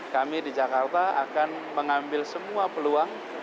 kami di jakarta akan mengambil semua peluang